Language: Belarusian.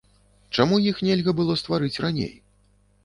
Чаму іх нельга было стварыць раней?